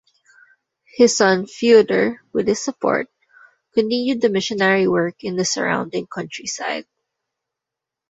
His son Fyodor, with his support, continued the missionary work in the surrounding countryside.